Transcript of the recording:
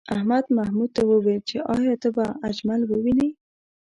احمد محمود ته وویل چې ایا ته به اجمل ووینې؟